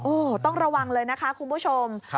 โอ้โหต้องระวังเลยนะคะคุณผู้ชม